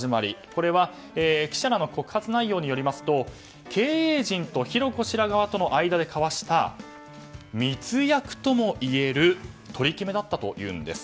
これは、記者らの告発内容によりますと経営陣との浩子氏らと間で交わした、密約ともいえる取り決めだったというんです。